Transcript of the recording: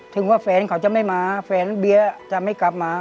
ถึงว่าแฟนเขาจะไม่มาแฟนเบียร์จะไม่กลับมา